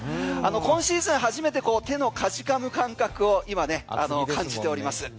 今シーズン初めて手のかじかむ感覚を今、感じております。